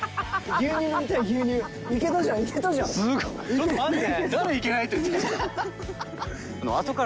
ちょっと待って！